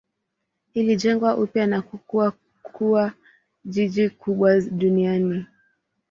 Ilijengwa upya na kukua kuwa jiji kubwa duniani.